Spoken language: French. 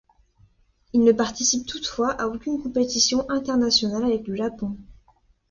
Il ne participe toutefois à aucune compétition internationale avec le Japon.